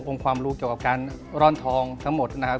ความรู้เกี่ยวกับการร่อนทองทั้งหมดนะครับ